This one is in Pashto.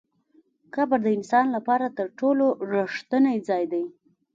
قبر د انسان لپاره تر ټولو رښتینی ځای دی.